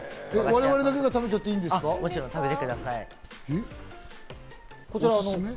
我々だけが食べちゃっていいもちろんです、食べてください。